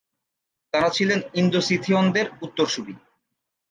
তাঁরা ছিলেন ইন্দো-সিথিয়নদের উত্তরসূরি।